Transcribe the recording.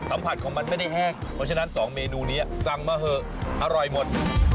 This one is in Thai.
สัมผัสของมันไม่ได้แห้งเพราะฉะนั้น๒เมนูนี้สั่งมาเถอะอร่อยหมด